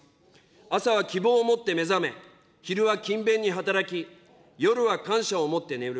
朝は希望をもって目覚め、昼は勤勉に働き、夜は感謝をもって眠る。